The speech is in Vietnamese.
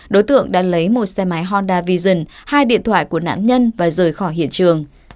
đối tượng đã lấy một xe máy honda vision hai điện thoại của nạn nhân và rời khỏi hiện trường